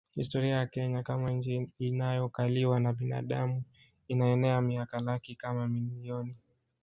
Historia ya Kenya kama nchi inayokaliwa na binadamu inaenea miaka laki kama milioni